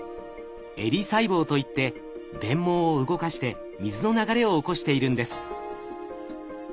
襟細胞といって鞭毛を動かして水の流れを起こしているんです。